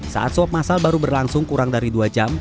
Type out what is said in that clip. saat swab masal baru berlangsung kurang dari dua jam